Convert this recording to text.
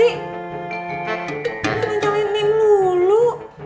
ini manjalin yang lulu